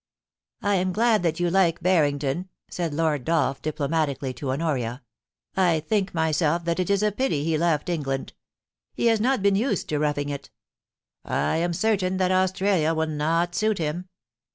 ' I am glad that you like Barrington,' said Lord Dolph, diplomatically, to Honoria. ' I think myself that it is a pity he left England He has not been used to roughing it I am certain that Australia will not suit him.